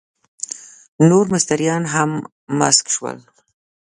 نور مستریان هم مسک شول.